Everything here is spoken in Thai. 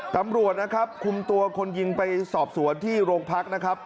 ตำรวจนะครับคุมตัวคนยิงไปสอบสวนที่โรงพักนะครับ